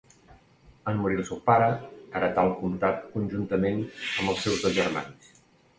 En morir el seu pare, heretà el comtat conjuntament amb els seus dos germans.